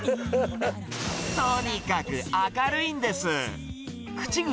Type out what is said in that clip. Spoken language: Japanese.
とにかく明るいんです。